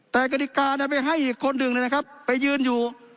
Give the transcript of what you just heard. แต่กฎกริกานะไปให้ข้นดึงนะครับไปยืนอยู่